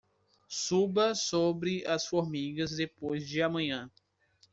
Suba sobre as formigas depois de amanhã